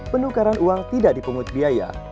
penukaran uang tidak dipungut biaya